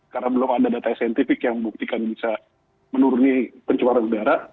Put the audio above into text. karena belum ada data saintifik yang membuktikan bisa menurunkan pencuara udara